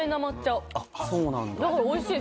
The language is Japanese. だからおいしい